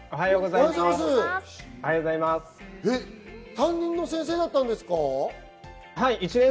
担任の先生だったんですか？